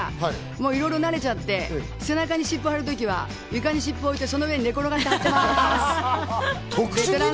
いろいろ慣れちゃって、背中に湿布を貼る時は床に湿布を置いて、その上に寝転がって貼ります。